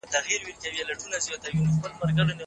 کابل د سيمي د هېوادونو ترمنځ په شخړو کي پلوي نه کوي.